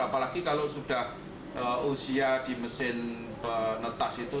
apalagi kalau sudah usia di mesin penetas itu